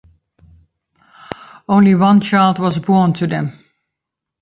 Only one child was born to them.